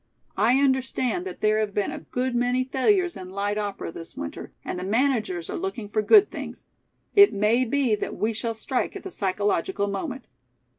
I understand that there have been a good many failures in light opera this winter, and the managers are looking for good things. It may be that we shall strike at the psychological moment.